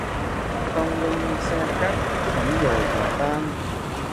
Cong lưng xe cát, sóng dồi là tan